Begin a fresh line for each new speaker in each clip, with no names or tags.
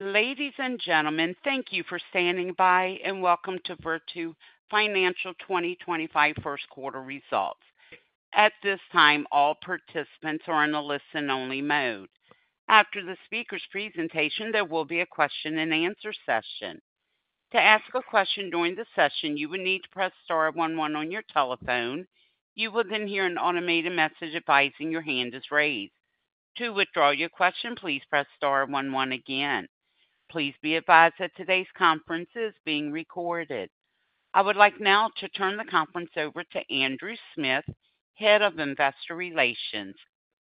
Ladies and gentlemen, thank you for standing by and welcome to Virtu Financial 2025 First Quarter Results. At this time, all participants are in a listen-only mode. After the speaker's presentation, there will be a question-and-answer session. To ask a question during the session, you will need to press star one one on your telephone. You will then hear an automated message advising your hand is raised. To withdraw your question, please press star one one again. Please be advised that today's conference is being recorded. I would like now to turn the conference over to Andrew Smith, Head of Investor Relations.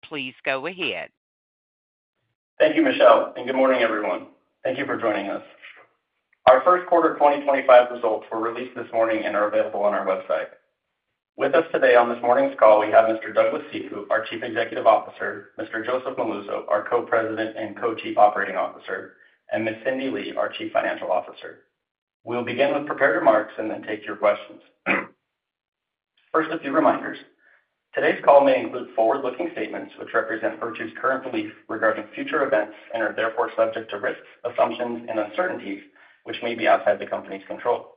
Please go ahead.
Thank you, Michelle, and good morning, everyone. Thank you for joining us. Our First Quarter 2025 Results were released this morning and are available on our website. With us today on this morning's call, we have Mr. Douglas Cifu, our Chief Executive Officer; Mr. Joseph Molluso, our Co-President and Co-Chief Operating Officer; and Ms. Cindy Lee, our Chief Financial Officer. We'll begin with prepared remarks and then take your questions. First, a few reminders. Today's call may include forward-looking statements, which represent Virtu's current beliefs regarding future events and are therefore subject to risks, assumptions, and uncertainties, which may be outside the company's control.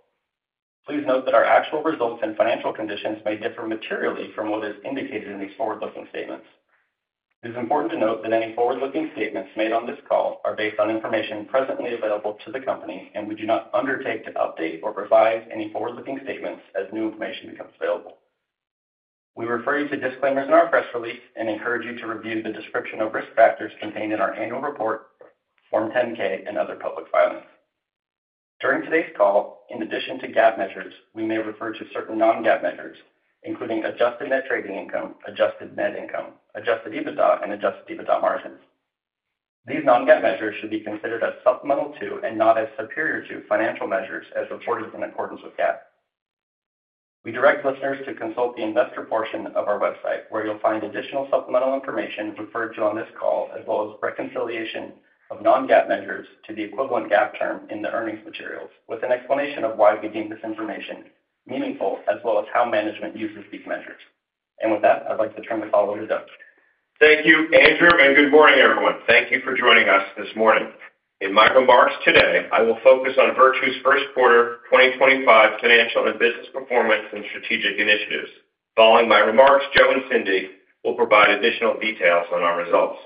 Please note that our actual results and financial conditions may differ materially from what is indicated in these forward-looking statements. It is important to note that any forward-looking statements made on this call are based on information presently available to the company, and we do not undertake to update or revise any forward-looking statements as new information becomes available. We refer you to disclaimers in our press release and encourage you to review the description of risk factors contained in our annual report, Form 10-K, and other public filings. During today's call, in addition to GAAP measures, we may refer to certain Non-GAAP measures, including adjusted net trading income, adjusted net income, adjusted EBITDA, and adjusted EBITDA margins. These non-GAAP measures should be considered as supplemental to and not as superior to financial measures as reported in accordance with GAAP. We direct listeners to consult the investor portion of our website, where you'll find additional supplemental information referred to on this call, as well as reconciliation of Non-GAAP measures to the equivalent GAAP term in the earnings materials, with an explanation of why we deem this information meaningful, as well as how management uses these measures. With that, I'd like to turn the call over to Doug.
Thank you, Andrew, and good morning, everyone. Thank you for joining us this morning. In my remarks today, I will focus on Virtu's First Quarter 2025 Financial and Business Performance and Strategic Initiatives. Following my remarks, Joe and Cindy will provide additional details on our results.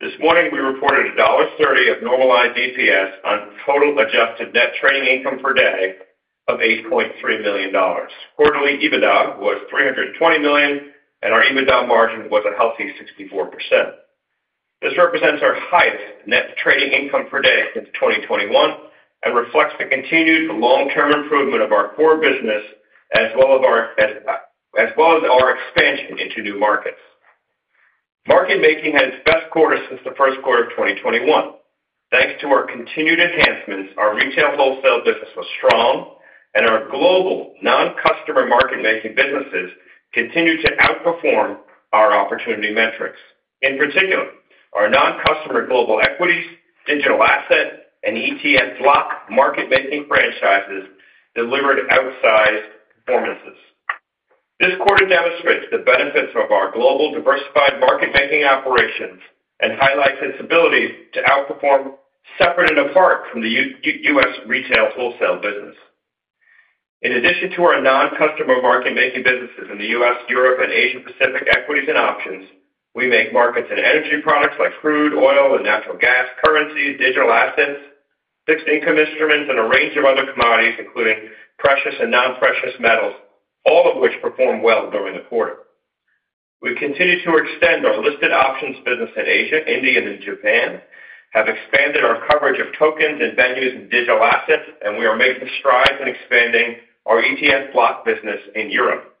This morning, we reported $1.30 of normalized EPS on total adjusted net trading income per day of $8.3 million. Quarterly, EBITDA was $320 million, and our EBITDA margin was a healthy 64%. This represents our highest net trading income per day since 2021 and reflects the continued long-term improvement of our core business, as well as our expansion into new markets. Market making had its best quarter since the first quarter of 2021. Thanks to our continued enhancements, our retail wholesale business was strong, and our global non-customer market making businesses continued to outperform our opportunity metrics. In particular, our non-customer global equities, digital assets, and ETF block market making franchises delivered outsized performances. This quarter demonstrates the benefits of our global diversified market making operations and highlights its ability to outperform, separate and apart from the U.S. Retail Wholesale Business. In addition to our non-customer market making businesses in the U.S., Europe, and Asia-Pacific Equities and Options, we make markets in energy products like crude oil, and natural gas, currencies, digital assets, fixed income instruments, and a range of other commodities, including precious and non-precious metals, all of which performed well during the quarter. We continue to extend our listed options business in Asia, India, and Japan, have expanded our coverage of tokens and venues and digital assets, and we are making strides in expanding our ETF block business in Europe.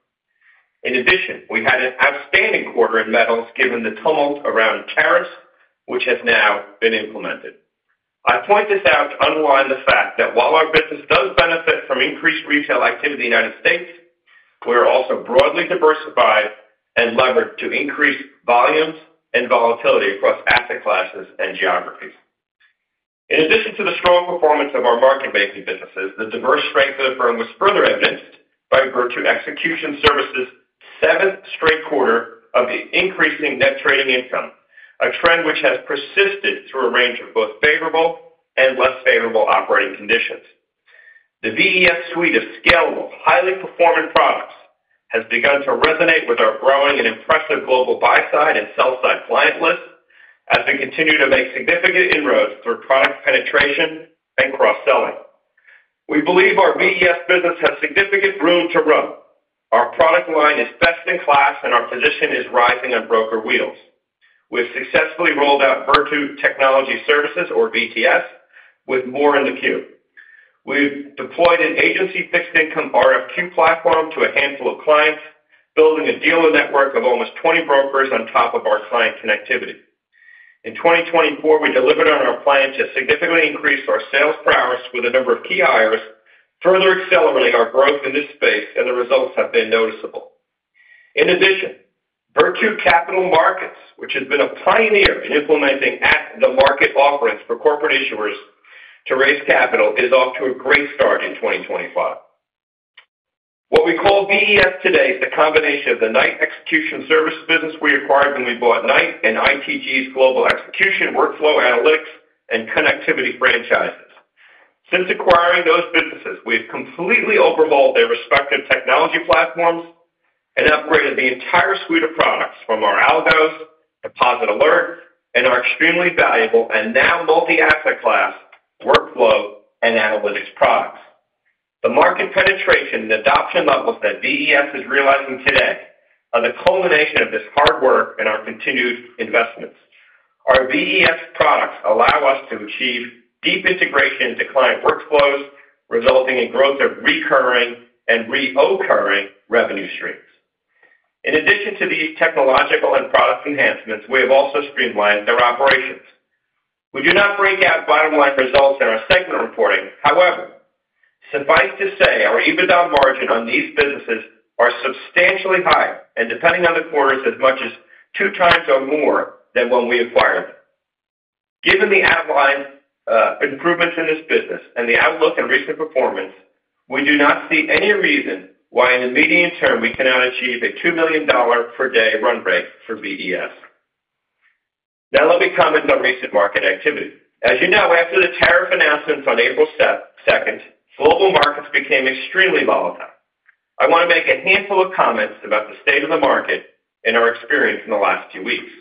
In addition, we had an outstanding quarter in metals given the tumult around tariffs, which has now been implemented. I point this out to underline the fact that while our business does benefit from increased retail activity in the United States, we are also broadly diversified and levered to increase volumes and volatility across asset classes and geographies. In addition to the strong performance of our market making businesses, the diverse strength of the firm was further evidenced by Virtu Execution Services' Seventh Straight Quarter of Increasing Net Trading Income, a trend which has persisted through a range of both favorable and less favorable operating conditions. The VES suite of scalable, highly performant products has begun to resonate with our growing and impressive global buy-side and sell-side client list, as we continue to make significant inroads through product penetration and cross-selling. We believe our VES business has significant room to grow. Our product line is best in class, and our position is rising on broker wheels. We have successfully rolled out Virtu Technology Services, or VTS, with more in the queue. We've deployed an agency fixed income RFQ platform to a handful of clients, building a dealer network of almost 20 brokers on top of our client connectivity. In 2024, we delivered on our plans to significantly increase our sales per hours with a number of key hires, further accelerating our growth in this space, and the results have been noticeable. In addition, Virtu Capital Markets, which has been a pioneer in implementing at-the-market offerings for corporate issuers to raise capital, is off to a great start in 2025. What we call VES today is the combination of the Knight Execution Services business we acquired when we bought Knight and ITG's global execution workflow analytics and connectivity franchises. Since acquiring those businesses, we have completely overhauled their respective technology platforms and upgraded the entire suite of products from our Algos, POSIT Alert, and our extremely valuable and now multi-asset class workflow and analytics products. The market penetration and adoption levels that VES is realizing today are the culmination of this hard work and our continued investments. Our VES products allow us to achieve deep integration into client workflows, resulting in growth of recurring and reoccurring revenue streams. In addition to these technological and product enhancements, we have also streamlined their operations. We do not break out bottom-line results in our segment reporting. However, suffice to say our EBITDA margin on these businesses is substantially higher and, depending on the quarters, as much as two times or more than when we acquired them. Given the outlined improvements in this business and the outlook and recent performance, we do not see any reason why in the medium term we cannot achieve a $2 million per day run rate for VES. Now, let me comment on recent market activity. As you know, after the tariff announcements on April 2nd, global markets became extremely volatile. I want to make a handful of comments about the state of the market and our experience in the last few weeks.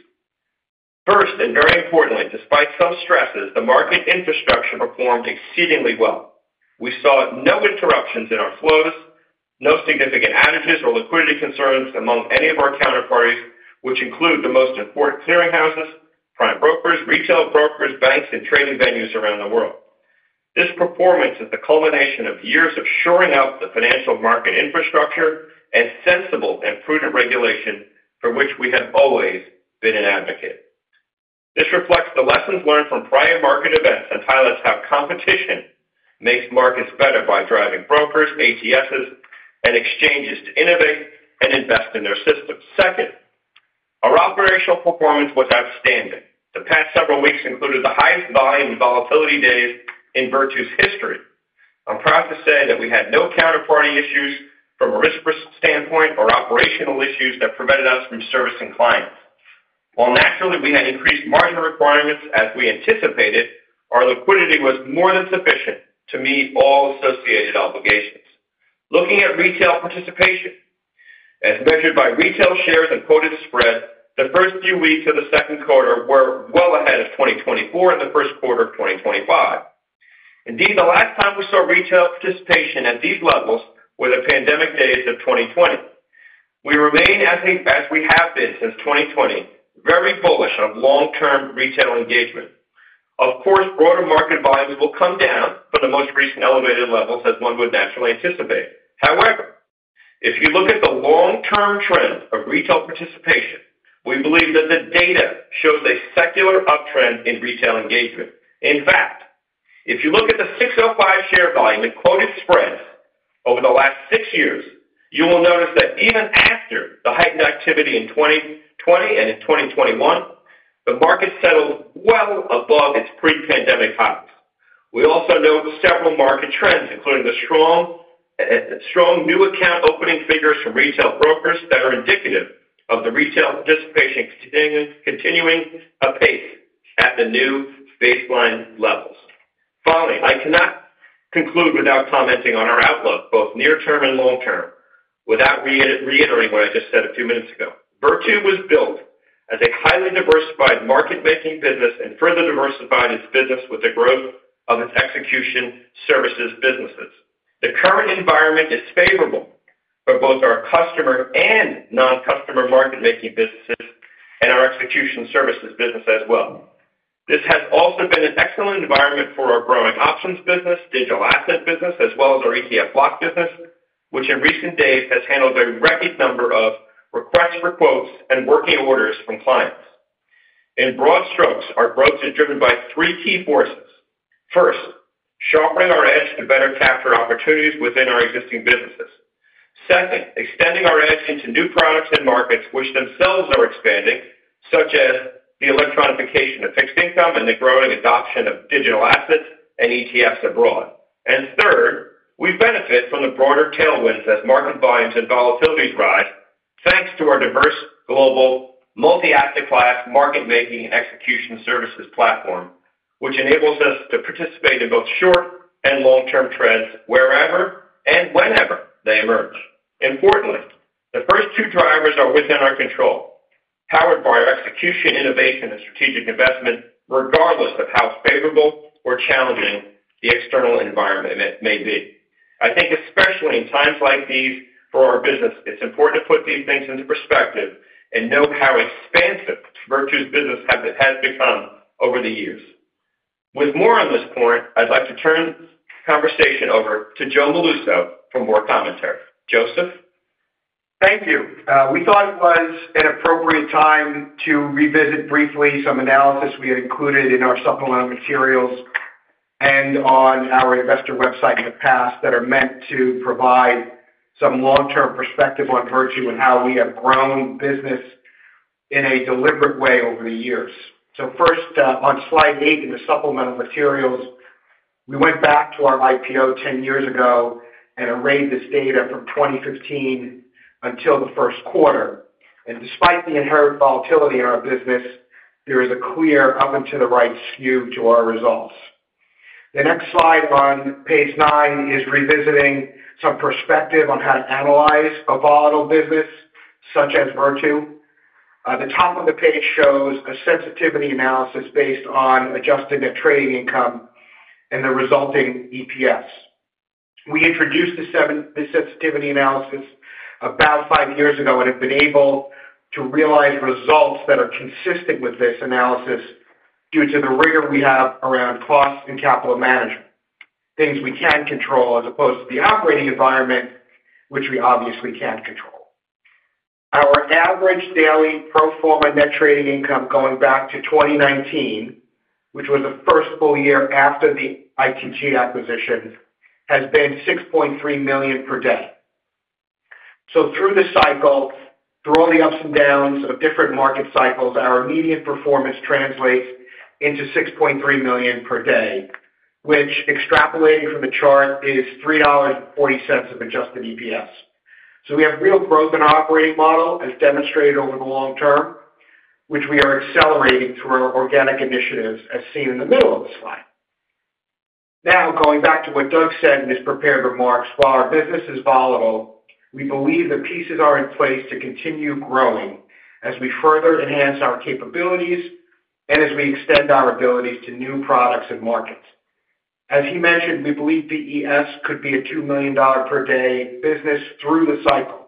First, and very importantly, despite some stresses, the market infrastructure performed exceedingly well. We saw no interruptions in our flows, no significant outages or liquidity concerns among any of our counterparties, which include the most important clearing houses, prime brokers, retail brokers, banks, and trading venues around the world. This performance is the culmination of years of shoring up the financial market infrastructure and sensible and prudent regulation for which we have always been an advocate. This reflects the lessons learned from prior market events and highlights how competition makes markets better by driving brokers, ATSs, and exchanges to innovate and invest in their systems. Second, our operational performance was outstanding. The past several weeks included the highest volume and volatility days in Virtu's history. I'm proud to say that we had no counterparty issues from a risk standpoint or operational issues that prevented us from servicing clients. While naturally we had increased margin requirements as we anticipated, our liquidity was more than sufficient to meet all associated obligations. Looking at retail participation, as measured by retail shares and quoted spread, the first few weeks of the second quarter were well ahead of 2024 and the first quarter of 2025. Indeed, the last time we saw retail participation at these levels were the pandemic days of 2020. We remain, as we have been since 2020, very bullish on long-term retail engagement. Of course, broader market volumes will come down from the most recent elevated levels, as one would naturally anticipate. However, if you look at the long-term trend of retail participation, we believe that the data shows a secular uptrend in retail engagement. In fact, if you look at the 605 share volume and quoted spreads over the last six years, you will notice that even after the heightened activity in 2020 and in 2021, the market settled well above its pre-pandemic highs. We also note several market trends, including the strong new account opening figures from retail brokers, that are indicative of the retail participation continuing apace at the new baseline levels. Finally, I cannot conclude without commenting on our outlook, both near-term and long-term, without reiterating what I just said a few minutes ago. Virtu was built as a highly diversified market-making business and further diversified its business with the growth of its execution services businesses. The current environment is favorable for both our customer and non-customer market-making businesses and our execution services business as well. This has also been an excellent environment for our growing options business, digital asset business, as well as our ETF Block business, which in recent days has handled a record number of requests for quotes and working orders from clients. In broad strokes, our growth is driven by three key forces. First, sharpening our edge to better capture opportunities within our existing businesses. Second, extending our edge into new products and markets, which themselves are expanding, such as the electronification of fixed income and the growing adoption of digital assets and ETFs abroad. Third, we benefit from the broader tailwinds as market volumes and volatilities rise, thanks to our diverse global multi-asset class market-making and execution services platform, which enables us to participate in both short and long-term trends wherever and whenever they emerge. Importantly, the first two drivers are within our control, powered by our execution, innovation, and strategic investment, regardless of how favorable or challenging the external environment may be. I think especially in times like these for our business, it's important to put these things into perspective and note how expansive Virtu's business has become over the years. With more on this point, I'd like to turn the conversation over to Joe Molluso for more commentary. Joseph?
Thank you. We thought it was an appropriate time to revisit briefly some analysis we had included in our supplemental materials and on our investor website in the past that are meant to provide some long-term perspective on Virtu and how we have grown business in a deliberate way over the years. First, on slide eight in the supplemental materials, we went back to our IPO 10 years ago and arrayed this data from 2015 until the first quarter. Despite the inherent volatility in our business, there is a clear up-and-to-the-right skew to our results. The next slide on page nine is revisiting some perspective on how to analyze a volatile business such as Virtu. The top of the page shows a sensitivity analysis based on adjusted net trading income and the resulting EPS. We introduced this sensitivity analysis about five years ago and have been able to realize results that are consistent with this analysis due to the rigor we have around cost and capital management, things we can control as opposed to the operating environment, which we obviously can't control. Our average daily pro forma net trading income going back to 2019, which was the first full year after the ITG acquisition, has been $6.3 million per day. Through the cycle, through all the ups and downs of different market cycles, our immediate performance translates into $6.3 million per day, which, extrapolating from the chart, is $3.40 of adjusted EPS. We have real growth in our operating model, as demonstrated over the long term, which we are accelerating through our organic initiatives, as seen in the middle of the slide. Now, going back to what Doug said in his prepared remarks, while our business is volatile, we believe the pieces are in place to continue growing as we further enhance our capabilities and as we extend our abilities to new products and markets. As he mentioned, we believe VES could be a $2 million per day business through the cycle.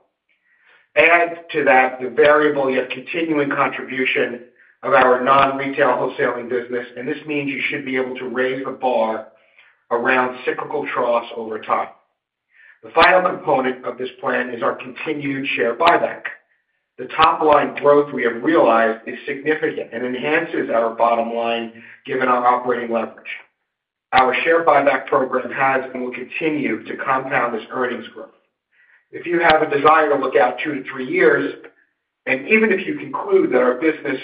Add to that the variable yet continuing contribution of our non-retail wholesaling business, and this means you should be able to raise the bar around cyclical troughs over time. The final component of this plan is our continued share buyback. The top-line growth we have realized is significant and enhances our bottom line given our operating leverage. Our share buyback program has and will continue to compound this earnings growth. If you have a desire to look out two to three years, and even if you conclude that our business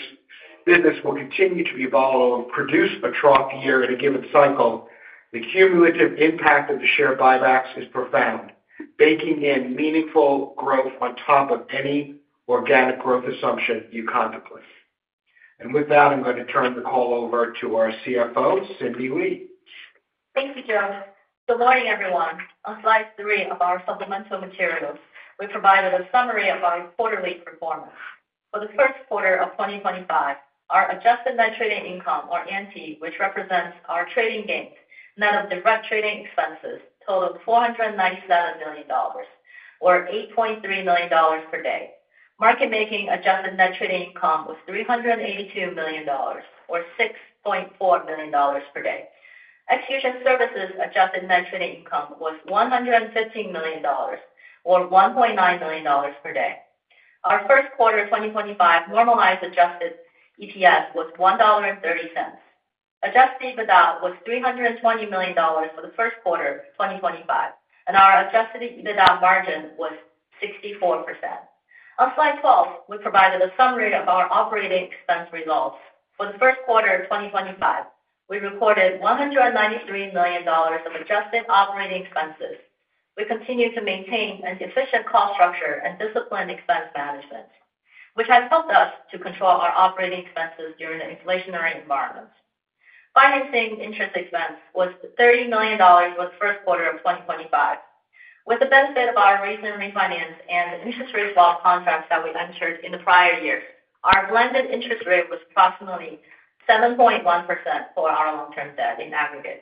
will continue to be volatile and produce a trough year in a given cycle, the cumulative impact of the share buybacks is profound, baking in meaningful growth on top of any organic growth assumption you contemplate. With that, I'm going to turn the call over to our CFO, Cindy Lee.
Thank you, Joe. Good morning, everyone. On slide three of our supplemental materials, we provided a summary of our quarterly performance. For the first quarter of 2025, our Adjusted Net Trading income, or ANT, which represents our trading gains, net of direct trading expenses, totaled $497 million, or $8.3 million per day. Market-making adjusted net trading income was $382 million, or $6.4 million per day. Execution services adjusted net trading income was $115 million, or $1.9 million per day. Our first quarter 2025 normalized adjusted EPS was $1.30. Adjusted EBITDA was $320 million for the first quarter 2025, and our adjusted EBITDA margin was 64%. On slide 12, we provided a summary of our operating expense results. For the first quarter of 2025, we recorded $193 million of adjusted operating expenses. We continue to maintain an efficient cost structure and disciplined expense management, which has helped us to control our operating expenses during the inflationary environment. Financing interest expense was $30 million for the first quarter of 2025. With the benefit of our recent refinance and interest rate swap contracts that we entered in the prior years, our blended interest rate was approximately 7.1% for our long-term debt in aggregate.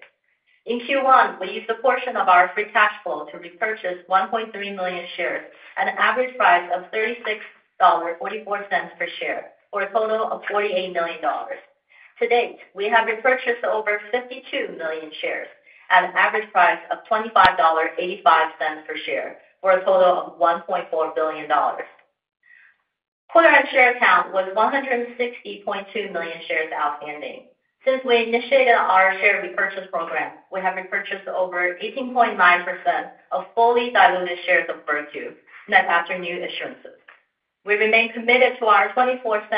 In Q1, we used a portion of our free cash flow to repurchase 1.3 million shares at an average price of $36.44 per share for a total of $48 million. To date, we have repurchased over 52 million shares at an average price of $25.85 per share for a total of $1.4 billion. Quarter-end share count was 160.2 million shares outstanding. Since we initiated our share repurchase program, we have repurchased over 18.9% of fully diluted shares of Virtu, net after new issuances. We remain committed to our $0.24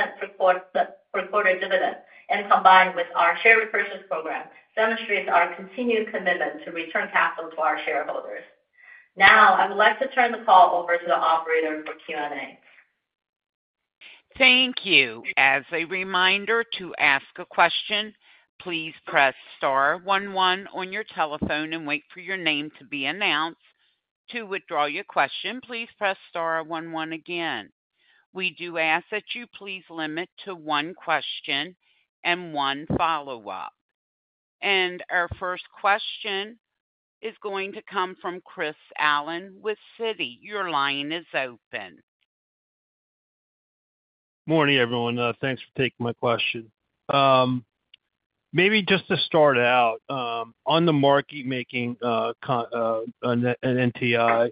per quarter dividend, and combined with our share repurchase program, demonstrates our continued commitment to return capital to our shareholders. Now, I would like to turn the call over to the operator for Q&A.
Thank you. As a reminder to ask a question, please press star one one on your telephone and wait for your name to be announced. To withdraw your question, please press star one on again. We do ask that you please limit to one question and one follow-up. Our first question is going to come from Chris Allen with Citi. Your line is open.
Morning, everyone. Thanks for taking my question. Maybe just to start out, on the market-making and NTI,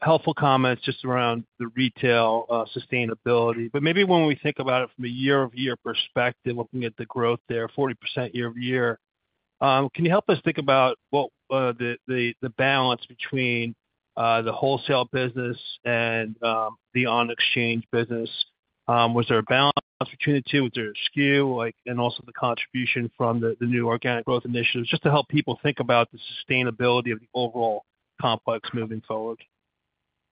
helpful comments just around the retail sustainability. Maybe when we think about it from a year-over-year perspective, looking at the growth there, 40% year-over-year, can you help us think about the balance between the wholesale business and the on-exchange business? Was there a balance between the two? Was there a skew? Also the contribution from the new organic growth initiatives, just to help people think about the sustainability of the overall complex moving forward?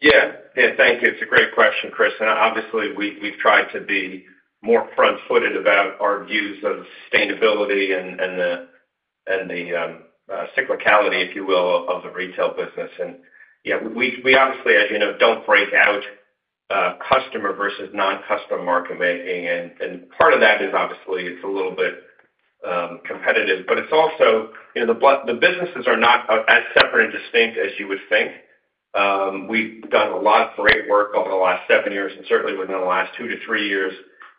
Yeah. Yeah, thank you. It's a great question, Chris. Obviously, we've tried to be more front-footed about our views of sustainability and the cyclicality, if you will, of the retail business. Yeah, we obviously, as you know, don't break out customer versus non-customer market-making. Part of that is obviously it's a little bit competitive. It's also the businesses are not as separate and distinct as you would think. We've done a lot of great work over the last seven years and certainly within the last two to three years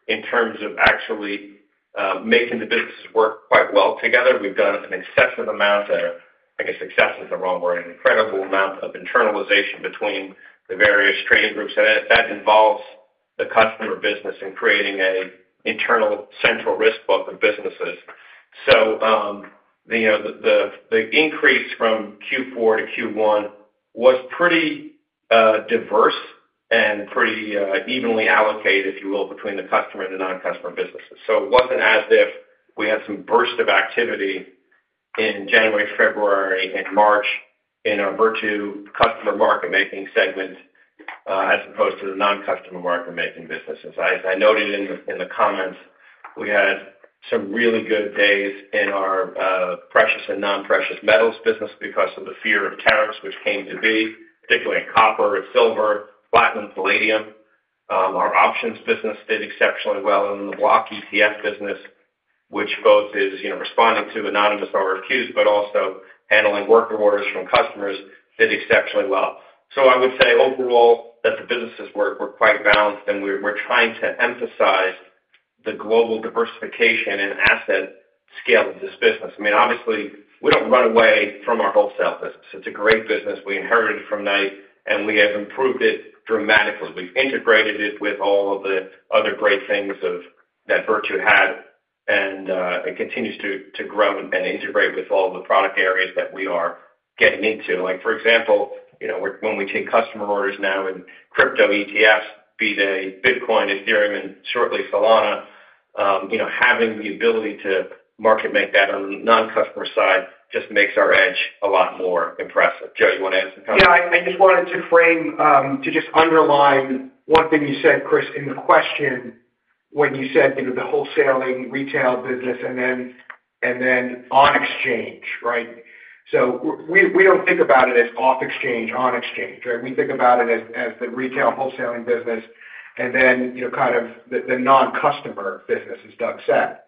in terms of actually making the businesses work quite well together. We've done an excessive amount of, I guess, excessive is the wrong word, an incredible amount of internalization between the various trading groups. That involves the customer business in creating an internal central risk book of businesses. The increase from Q4 to Q1 was pretty diverse and pretty evenly allocated, if you will, between the customer and the non-customer businesses. It was not as if we had some burst of activity in January, February, and March in our Virtu customer market-making segment as opposed to the non-customer market-making businesses. As I noted in the comments, we had some really good days in our precious and non-precious metals business because of the fear of tariffs, which came to be, particularly in copper, silver, platinum, palladium. Our options business did exceptionally well. The block ETF business, which both is responding to anonymous RFQs, but also handling worker orders from customers, did exceptionally well. I would say overall that the businesses were quite balanced, and we are trying to emphasize the global diversification and asset scale of this business. I mean, obviously, we do not run away from our wholesale business. It is a great business. We inherited it from Knight, and we have improved it dramatically. We have integrated it with all of the other great things that Virtu had, and it continues to grow and integrate with all the product areas that we are getting into. For example, when we take customer orders now in crypto ETFs, be they Bitcoin, Ethereum, and shortly Solana, having the ability to market-make that on the non-customer side just makes our edge a lot more impressive. Joe, you want to add some comments?
Yeah. I just wanted to frame, to just underline one thing you said, Chris, in the question when you said the wholesaling retail business and then on-exchange, right? We do not think about it as off-exchange, on-exchange, right? We think about it as the retail wholesaling business and then kind of the non-customer business, as Doug said,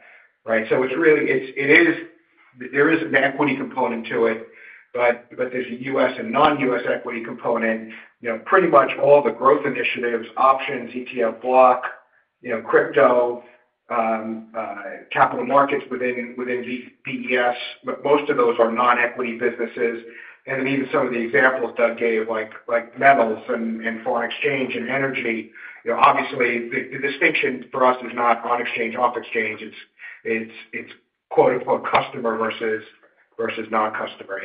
right? It is really, there is an equity component to it, but there is a U.S. and non-U.S. equity component. Pretty much all the growth initiatives, options, ETF block, crypto, capital markets within VES, most of those are non-equity businesses. Even some of the examples Doug gave, like metals and foreign exchange and energy, obviously, the distinction for us is not on-exchange, off-exchange. It is quote-unquote customer versus non-customer.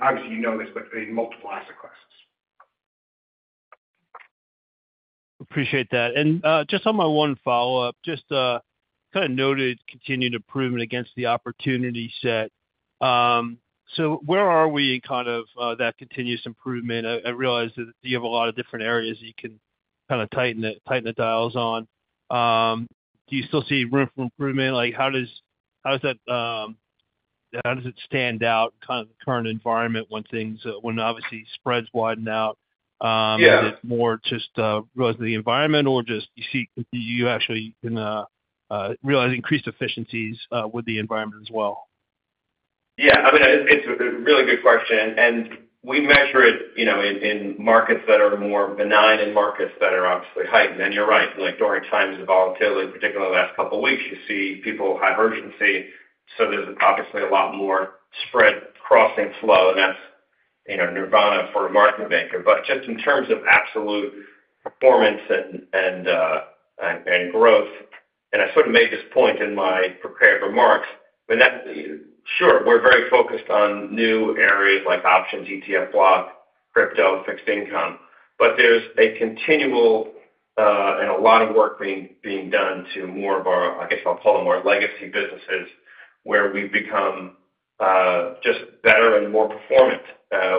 Obviously, you know this, but in multiple asset classes.
Appreciate that. Just on my one follow-up, just kind of noted continued improvement against the opportunity set. Where are we in kind of that continuous improvement? I realize that you have a lot of different areas that you can kind of tighten the dials on. Do you still see room for improvement? How does that stand out in kind of the current environment when obviously spreads widen out? Is it more just realizing the environment, or do you see you actually can realize increased efficiencies with the environment as well?
Yeah. I mean, it's a really good question. We measure it in markets that are more benign and markets that are obviously heightened. You're right. During times of volatility, particularly in the last couple of weeks, you see people have urgency. There's obviously a lot more spread crossing flow, and that's nirvana for a market maker. Just in terms of absolute performance and growth, and I sort of made this point in my prepared remarks, I mean, sure, we're very focused on new areas like options, ETF Block, crypto, fixed income. There's a continual and a lot of work being done to more of our, I guess I'll call them our legacy businesses, where we've become just better and more performant.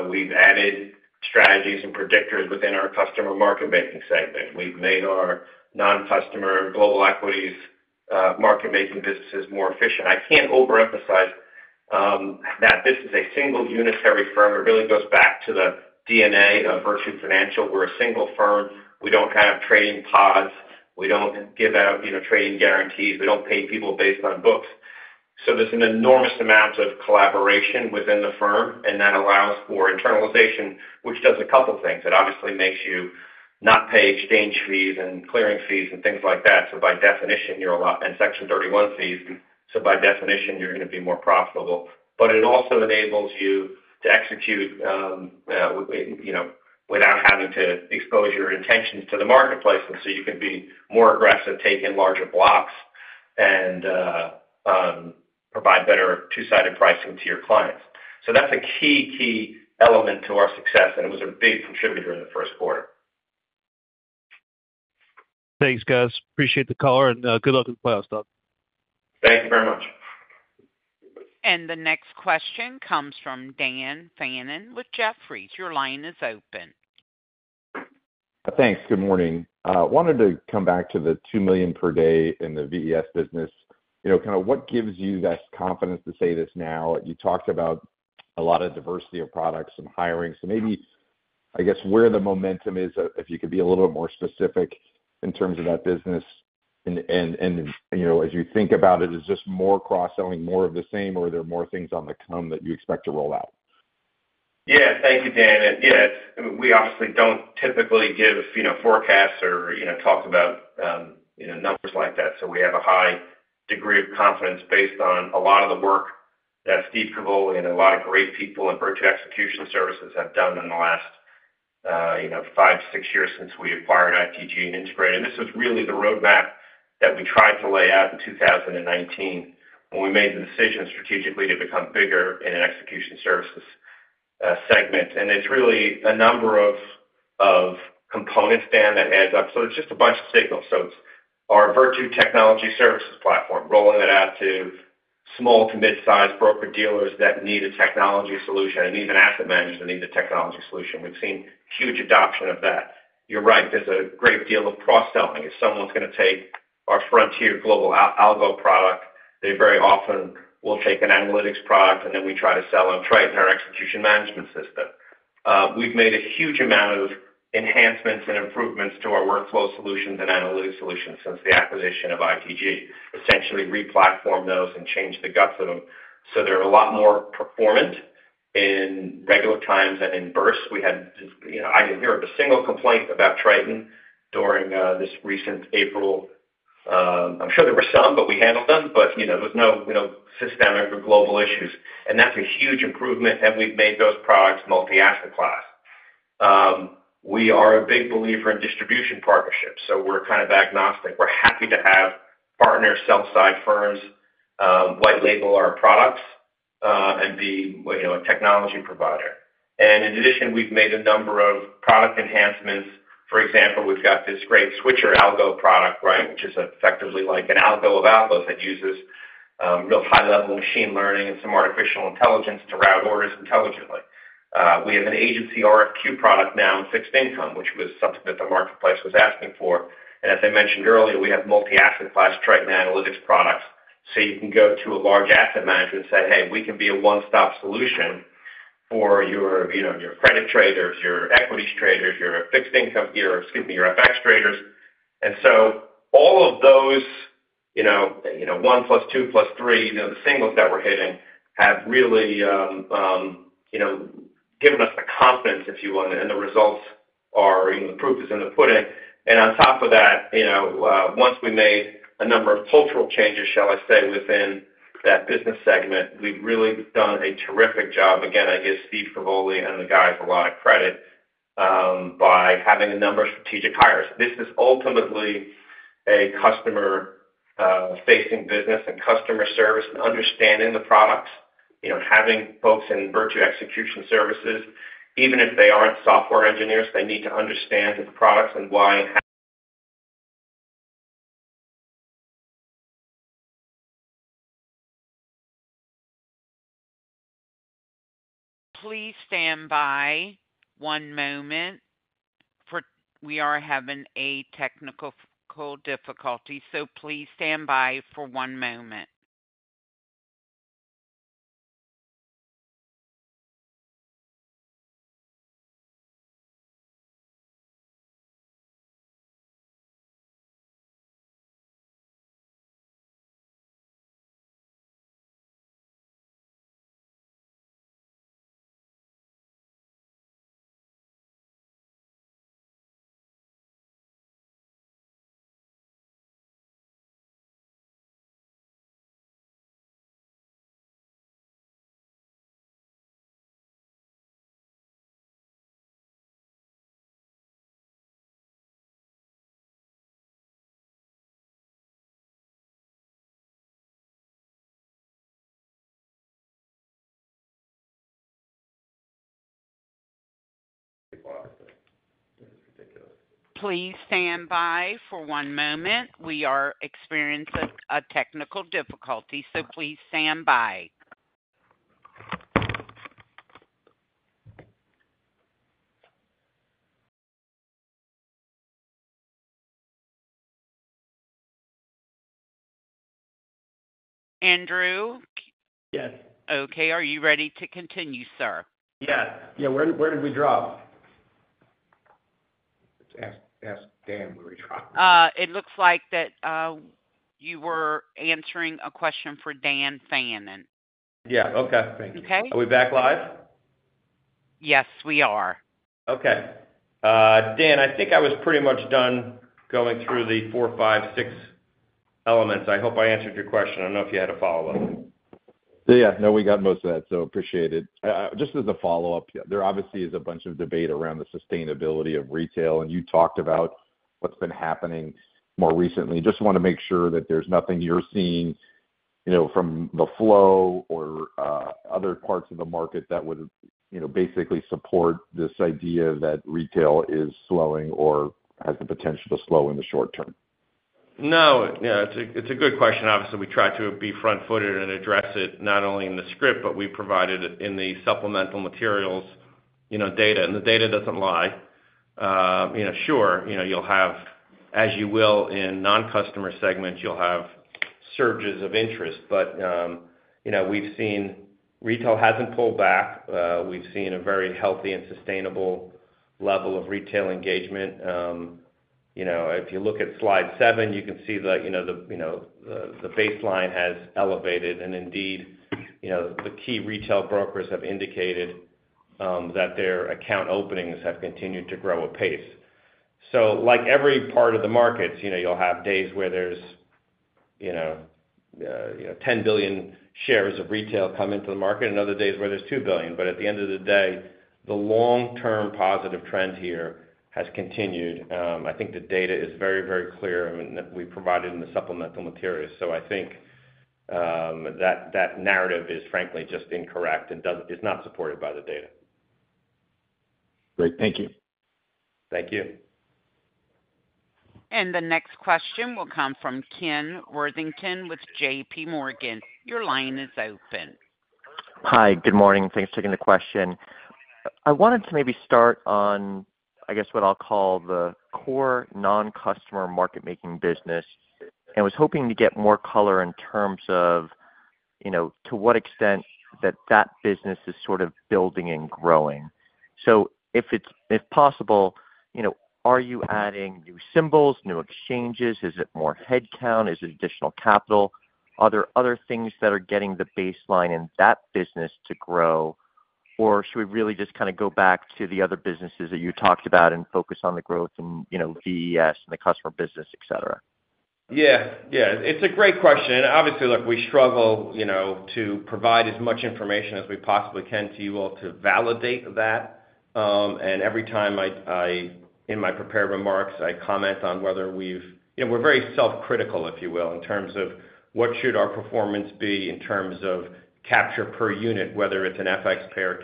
We've added strategies and predictors within our customer market-making segment. We've made our non-customer global equities market-making businesses more efficient. I can't overemphasize that this is a single unitary firm. It really goes back to the DNA of Virtu Financial. We're a single firm. We don't have trading pods. We don't give out trading guarantees. We don't pay people based on books. There is an enormous amount of collaboration within the firm, and that allows for internalization, which does a couple of things. It obviously makes you not pay exchange fees and clearing fees and things like that. By definition, you're a lot and Section 31 fees. By definition, you're going to be more profitable. It also enables you to execute without having to expose your intentions to the marketplace. You can be more aggressive, take in larger blocks, and provide better two-sided pricing to your clients. That's a key, key element to our success, and it was a big contributor in the first quarter.
Thanks, guys. Appreciate the call, and good luck with the playoffs, Doug.
Thank you very much.
The next question comes from Dan Fannon with Jefferies. Your line is open.
Thanks. Good morning. Wanted to come back to the $2 million per day in the VES business. Kind of what gives you the confidence to say this now? You talked about a lot of diversity of products and hiring. Maybe, I guess, where the momentum is, if you could be a little bit more specific in terms of that business. As you think about it, is it just more cross-selling, more of the same, or are there more things on the come that you expect to roll out?
Yeah. Thank you, Dan. Yeah. We obviously do not typically give forecasts or talk about numbers like that. We have a high degree of confidence based on a lot of the work that Steve Cavalli and a lot of great people in Virtu Execution Services have done in the last five, six years since we acquired ITG and integrated. This was really the roadmap that we tried to lay out in 2019 when we made the decision strategically to become bigger in an execution services segment. It is really a number of components, Dan, that adds up. It is just a bunch of signals. It is our Virtu Technology Services platform, rolling that out to small to mid-size broker dealers that need a technology solution. They need an asset manager that needs a technology solution. We have seen huge adoption of that. You are right. There is a great deal of cross-selling. If someone's going to take our Frontier global algo product, they very often will take an analytics product, and then we try to sell them straight in our execution management system. We've made a huge amount of enhancements and improvements to our workflow solutions and analytics solutions since the acquisition of ITG, essentially replatformed those and changed the guts of them. They're a lot more performant in regular times than in bursts. I didn't hear of a single complaint about Triton during this recent April. I'm sure there were some, but we handled them. There was no systemic or global issues. That's a huge improvement, and we've made those products multi-asset class. We are a big believer in distribution partnerships. We're kind of agnostic. We're happy to have partner sell-side firms white-label our products and be a technology provider. In addition, we've made a number of product enhancements. For example, we've got this great Switcher Algo product, right, which is effectively like an algo of algos that uses real high-level machine learning and some artificial intelligence to route orders intelligently. We have an agency RFQ product now in fixed income, which was something that the marketplace was asking for. As I mentioned earlier, we have multi-asset class Triton Analytics Products. You can go to a large asset manager and say, "Hey, we can be a one-stop solution for your credit traders, your equities traders, your fixed income gear, excuse me, your FX traders." All of those one plus two plus three, the singles that we're hitting have really given us the confidence, if you will, and the results are the proof is in the pudding. On top of that, once we made a number of cultural changes, shall I say, within that business segment, we have really done a terrific job. Again, I give Steve Cavoli and the guys a lot of credit by having a number of strategic hires. This is ultimately a customer-facing business and customer service and understanding the products, having folks in Virtu Execution Services. Even if they are not software engineers, they need to understand the products and why.
Please stand by one moment. We are having a technical difficulty, so please stand by for one moment. We are experiencing a technical difficulty, so please stand by. Andrew?
Yes.
Okay. Are you ready to continue, sir?
Yes. Yeah. Where did we drop?
Ask Dan where we dropped.
It looks like that you were answering a question for Dan Fannon.
Yeah. Okay. Thank you.
Okay?
Are we back live?
Yes, we are.
Okay. Dan, I think I was pretty much done going through the four, five, six elements. I hope I answered your question. I do not know if you had a follow-up.
Yeah. No, we got most of that, so appreciate it. Just as a follow-up, there obviously is a bunch of debate around the sustainability of retail, and you talked about what's been happening more recently. Just want to make sure that there's nothing you're seeing from the flow or other parts of the market that would basically support this idea that retail is slowing or has the potential to slow in the short term.
No. Yeah. It's a good question. Obviously, we tried to be front-footed and address it not only in the script, but we provided it in the supplemental materials data. And the data doesn't lie. Sure, you'll have, as you will, in non-customer segments, you'll have surges of interest. We've seen retail hasn't pulled back. We've seen a very healthy and sustainable level of retail engagement. If you look at slide seven, you can see that the baseline has elevated. Indeed, the key retail brokers have indicated that their account openings have continued to grow at pace. Like every part of the markets, you'll have days where there's 10 billion shares of retail come into the market and other days where there's 2 billion. At the end of the day, the long-term positive trend here has continued. I think the data is very, very clear, and we provided in the supplemental materials. I think that narrative is, frankly, just incorrect and is not supported by the data.
Great. Thank you.
Thank you.
The next question will come from Ken Worthington with J.P. Morgan. Your line is open.
Hi. Good morning. Thanks for taking the question. I wanted to maybe start on, I guess, what I'll call the core non-customer market-making business. I was hoping to get more color in terms of to what extent that that business is sort of building and growing. If possible, are you adding new symbols, new exchanges? Is it more headcount? Is it additional capital? Are there other things that are getting the baseline in that business to grow? Should we really just kind of go back to the other businesses that you talked about and focus on the growth in VES and the customer business, etc.?
Yeah. Yeah. It's a great question. Obviously, look, we struggle to provide as much information as we possibly can to you all to validate that. Every time in my prepared remarks, I comment on whether we've—we're very self-critical, if you will, in terms of what should our performance be in terms of capture per unit, whether it's an FX pair,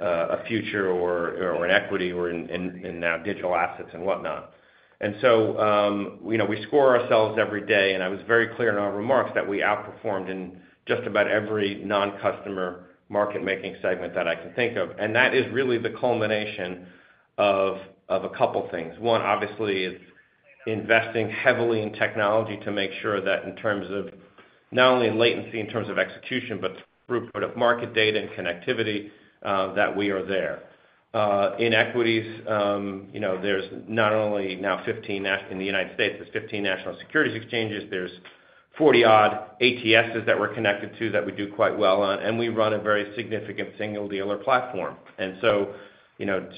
a future, or an equity, or in digital assets and whatnot. We score ourselves every day. I was very clear in our remarks that we outperformed in just about every non-customer market-making segment that I can think of. That is really the culmination of a couple of things. One, obviously, is investing heavily in technology to make sure that in terms of not only latency in terms of execution, but throughput of market data and connectivity, that we are there. In equities, there's not only now 15—in the U.S., there's 15 national securities exchanges. There's 40-odd ATSs that we're connected to that we do quite well on. We run a very significant single dealer platform.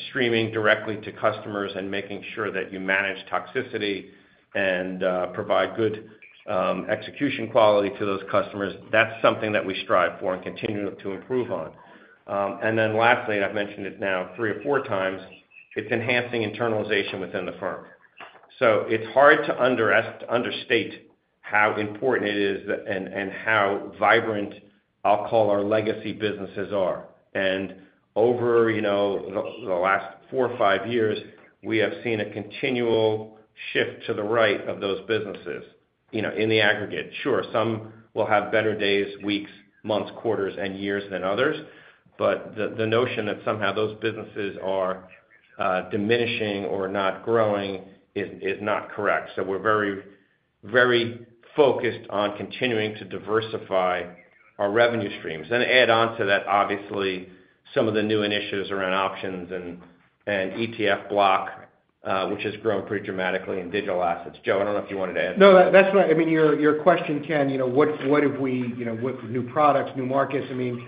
Streaming directly to customers and making sure that you manage toxicity and provide good execution quality to those customers, that's something that we strive for and continue to improve on. Lastly, and I've mentioned it now three or four times, it's enhancing internalization within the firm. It's hard to understate how important it is and how vibrant, I'll call, our legacy businesses are. Over the last four or five years, we have seen a continual shift to the right of those businesses in the aggregate. Sure, some will have better days, weeks, months, quarters, and years than others. The notion that somehow those businesses are diminishing or not growing is not correct. We are very focused on continuing to diversify our revenue streams. Add on to that, obviously, some of the new initiatives around options and ETF Block, which has grown pretty dramatically, and digital assets. Joe, I do not know if you wanted to add something.
No, that's right. I mean, your question, Ken, what have we with new products, new markets? I mean,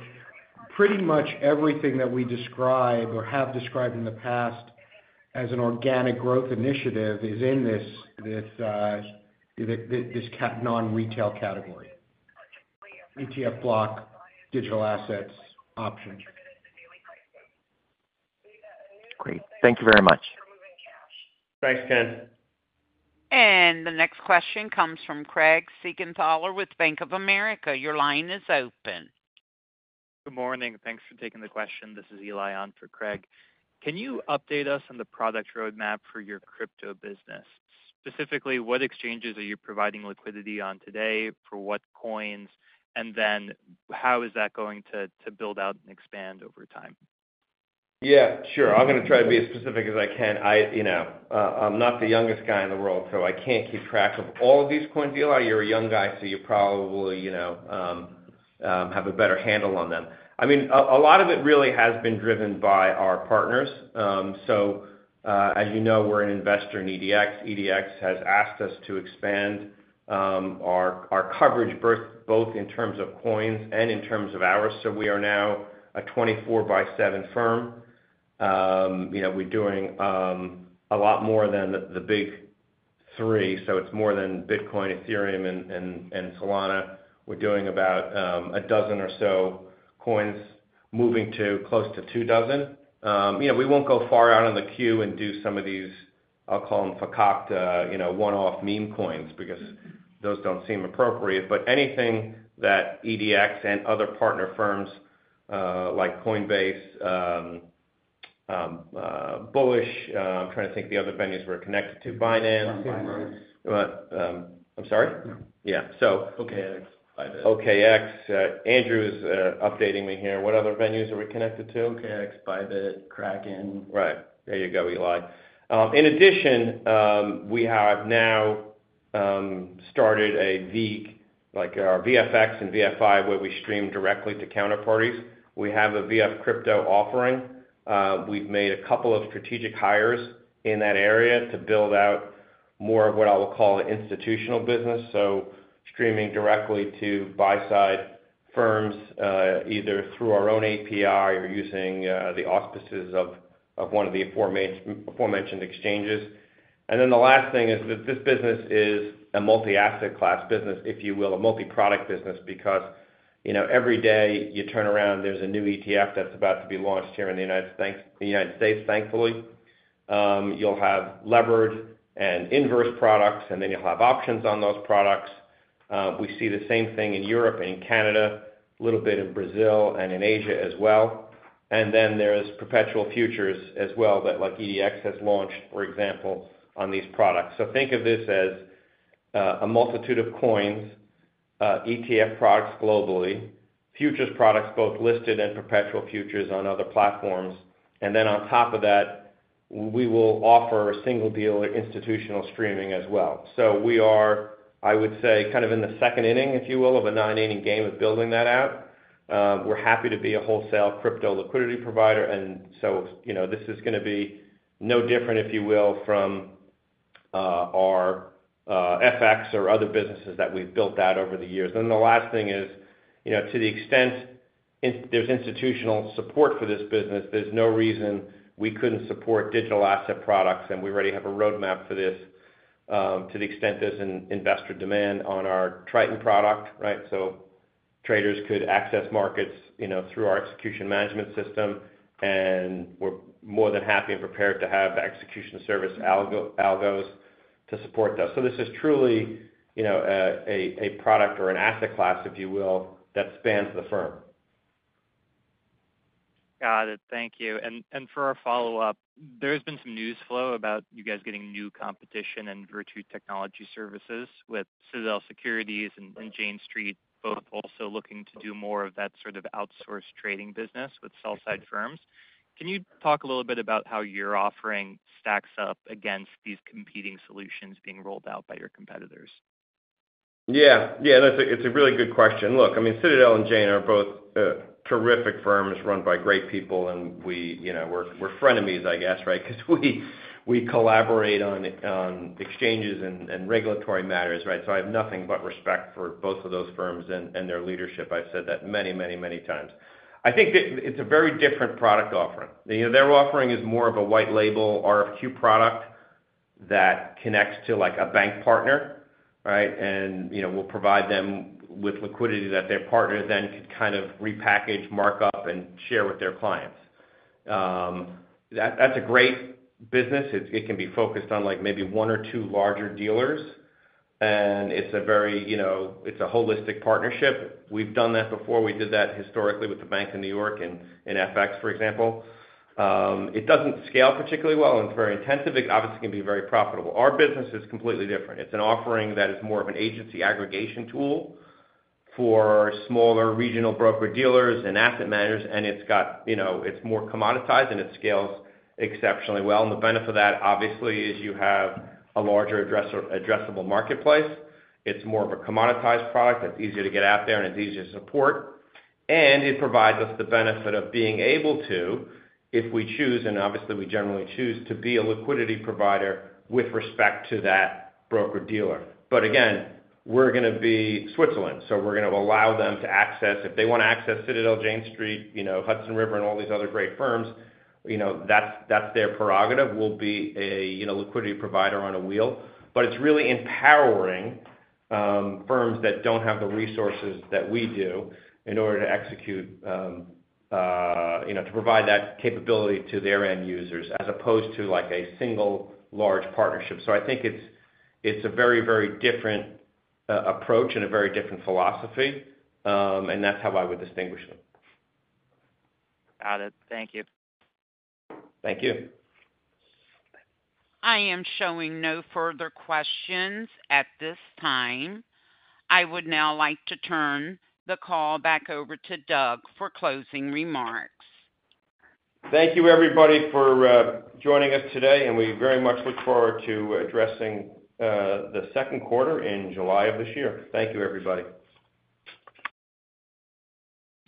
pretty much everything that we describe or have described in the past as an organic growth initiative is in this non-retail category: ETF Block, digital assets, options.
Great. Thank you very much.
Thanks, Ken.
The next question comes from Craig Siegenthaler with Bank of America. Your line is open. Good morning. Thanks for taking the question. This is Eli on for Craig. Can you update us on the product roadmap for your crypto business? Specifically, what exchanges are you providing liquidity on today for what coins? How is that going to build out and expand over time?
Yeah. Sure. I'm going to try to be as specific as I can. I'm not the youngest guy in the world, so I can't keep track of all of these coins. Eli, you're a young guy, so you probably have a better handle on them. I mean, a lot of it really has been driven by our partners. As you know, we're an Investor in EDX. EDX has asked us to expand our coverage, both in terms of coins and in terms of hours. We are now a 24x7 firm. We're doing a lot more than the big three. It's more than Bitcoin, Ethereum, and Solana. We're doing about a dozen or so coins, moving to close to two dozen. We won't go far out on the queue and do some of these, I'll call them phacocta, one-off meme coins because those don't seem appropriate. Anything that EDX and other partner firms like Coinbase, Bullish, I'm trying to think the other venues we're connected to: Binance.
Binance.
I'm sorry? Yeah. OKX, Bybit. OKX. Andrew is updating me here. What other venues are we connected to?
OKX, Bybit, Kraken.
Right. There you go, Eli. In addition, we have now started a VFX and VFI where we stream directly to counterparties. We have a VF crypto offering. We've made a couple of strategic hires in that area to build out more of what I will call an institutional business. Streaming directly to buy-side firms, either through our own API or using the auspices of one of the aforementioned exchanges. The last thing is that this business is a multi-asset class business, if you will, a multi-product business because every day you turn around, there's a new ETF that's about to be launched here in the United States, thankfully. You'll have leverage and inverse products, and then you'll have options on those products. We see the same thing in Europe and in Canada, a little bit in Brazil and in Asia as well. There are perpetual futures as well that EDX has launched, for example, on these products. Think of this as a multitude of coins, ETF products globally, futures products, both listed and perpetual futures on other platforms. On top of that, we will offer single dealer institutional streaming as well. I would say we are kind of in the second inning, if you will, of a nine-inning game of building that out. We are happy to be a wholesale crypto liquidity provider. This is going to be no different, if you will, from our FX or other businesses that we have built out over the years. The last thing is, to the extent there is institutional support for this business, there is no reason we could not support digital asset products. We already have a roadmap for this to the extent there's an investor demand on our Triton product, right? Traders could access markets through our execution management system. We're more than happy and prepared to have execution service algos to support those. This is truly a product or an asset class, if you will, that spans the firm. Got it. Thank you. For our follow-up, there has been some news flow about you guys getting new competition in Virtu Technology Services with Citadel Securities and Jane Street, both also looking to do more of that sort of outsourced trading business with sell-side firms. Can you talk a little bit about how your offering stacks up against these competing solutions being rolled out by your competitors? Yeah. Yeah. It's a really good question. Look, I mean, Citadel and Jane are both terrific firms run by great people. We're frenemies, I guess, right? Because we collaborate on exchanges and regulatory matters, right? I have nothing but respect for both of those firms and their leadership. I've said that many, many, many times. I think it's a very different product offering. Their offering is more of a white-label RFQ product that connects to a bank partner, right? We'll provide them with liquidity that their partner then could kind of repackage, mark up, and share with their clients. That's a great business. It can be focused on maybe one or two larger dealers. It's a very—it’s a holistic partnership. We've done that before. We did that historically with the Bank of New York and FX, for example. It doesn't scale particularly well. It's very intensive. It obviously can be very profitable. Our business is completely different. It's an offering that is more of an agency aggregation tool for smaller regional broker dealers and asset managers. It's more commoditized, and it scales exceptionally well. The benefit of that, obviously, is you have a larger addressable marketplace. It's more of a commoditized product that's easier to get out there, and it's easier to support. It provides us the benefit of being able to, if we choose—obviously, we generally choose—to be a liquidity provider with respect to that broker dealer. Again, we're going to be Switzerland. We're going to allow them to access—if they want to access Citadel Securities, Jane Street, Hudson River Trading, and all these other great firms, that's their prerogative. We'll be a liquidity provider on a wheel. It is really empowering firms that do not have the resources that we do in order to execute, to provide that capability to their end users, as opposed to a single large partnership. I think it is a very, very different approach and a very different philosophy. That is how I would distinguish them. Got it. Thank you. Thank you.
I am showing no further questions at this time. I would now like to turn the call back over to Doug for closing remarks.
Thank you, everybody, for joining us today. We very much look forward to addressing the second quarter in July of this year. Thank you, everybody.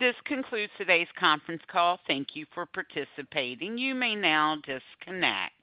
This concludes today's conference call. Thank you for participating. You may now disconnect.